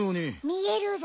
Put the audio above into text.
見えるぞ。